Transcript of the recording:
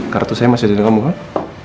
kartu saya masih ada di kamu kak